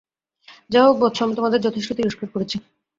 যা হোক, বৎস, আমি তোমাদের যথেষ্ট তিরস্কার করেছি।